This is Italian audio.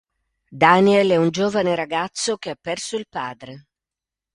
Daniel è un giovane ragazzo che ha perso il padre.